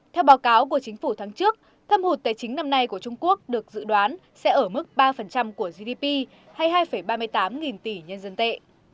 theo báo cáo của chính phủ tháng trước thâm hụt tài chính năm nay của trung quốc được dự đoán sẽ ở mức ba của gdp hay hai ba mươi tám nghìn tỷ nhân dân tệ